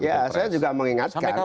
ya saya juga mengingatkan